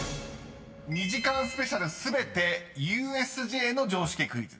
［２時間スペシャル全てＵＳＪの常識クイズです］